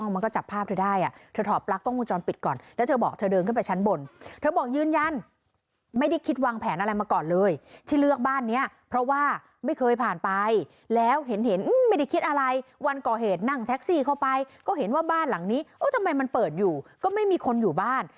มันเห็นอืมไม่ได้คิดอะไรวันก่อเหตุนั่งแท็กซี่เข้าไปก็เห็นว่าบ้านหลังนี้เอ้าทำไมมันเปิดอยู่ก็ไม่มีคนอยู่บ้าน